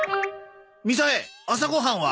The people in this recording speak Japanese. みさえ朝ご飯は？